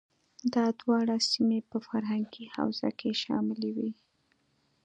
دا دواړه سیمې په فرهنګي حوزه کې شاملې وې.